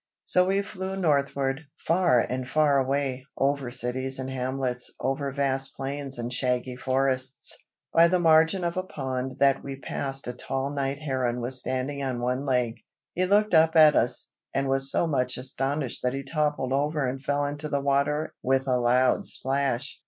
So we flew northward, far and far away, over cities and hamlets, over vast plains and shaggy forests. By the margin of a pond that we passed a tall night heron was standing on one leg. He looked up at us, and was so much astonished that he toppled over and fell into the water with a loud splash.